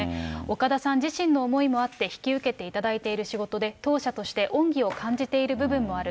岡田さん自身の思いもあって引き受けていただいている仕事で、当社として恩義を感じている部分もある。